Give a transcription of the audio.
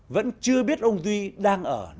vẫn chưa biết ông duy đang ở nơi này